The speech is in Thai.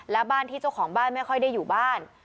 และบ้านที่เจ้าของบ้านไม่ค่อยได้อยู่บ้าน